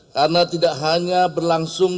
karena tidak hanya berlangsung